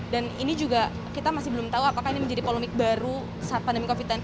dan ini juga kita masih belum tahu apakah ini menjadi polemik baru saat pandemi covid sembilan belas